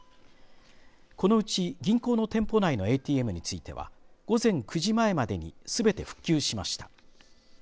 このうち銀行の店舗内のＡＴＭについては午前９時前までにすべて復旧しました。